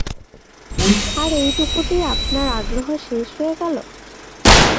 আর এটুকুতেই আপনার আগ্রহ শেষ হয়ে গেল?